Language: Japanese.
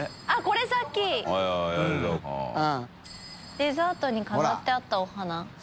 デザートに飾ってあったお花ほら！